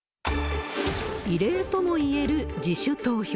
異例ともいえる自主投票。